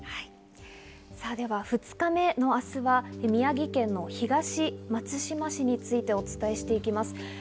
では２日目の明日は宮城県の東松島市についてお伝えしていきます。